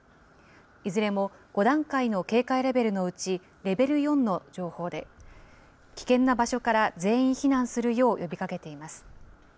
いずれも５段階の警戒レベルのうちレベル４の情報で、危険な場所から全員避難するよう呼びかけています。